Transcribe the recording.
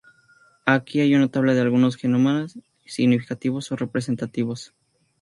Aquí hay una tabla de algunos genomas significativos o representativos.